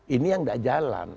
ini yang gak jalan